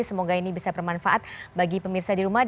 semoga ini bisa bermanfaat bagi pemirsa di rumah